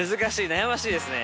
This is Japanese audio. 悩ましいですね。